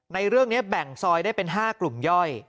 ในเรื่องนี้แบ่งซอยได้เป็น๕กลุ่มย่อย